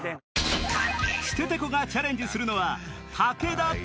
ステテコがチャレンジするのは